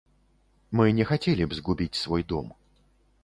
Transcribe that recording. Мы не хацелі б згубіць свой дом.